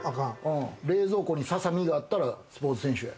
冷蔵庫にささみがあったらスポーツ選手や。